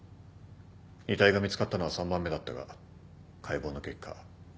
遺体が見つかったのは３番目だったが解剖の結果